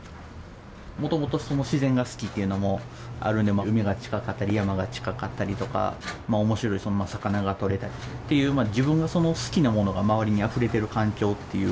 元々自然が好きっていうのもあるので海が近かったり山が近かったりとか面白い魚がとれたりっていう自分が好きなものが周りにあふれてる環境っていう。